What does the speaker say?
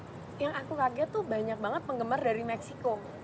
tapi yang aku kaget tuh banyak banget penggemar dari meksiko